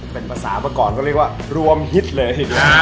เป็นภาษาเมื่อก่อนก็เรียกว่ารวมฮิตเลย